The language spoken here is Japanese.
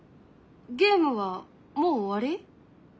ゲームはもう終わり？